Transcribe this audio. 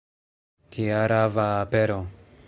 Kia rava apero!